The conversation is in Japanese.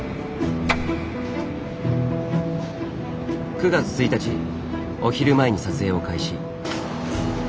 ９月１日お昼前に撮影を開始。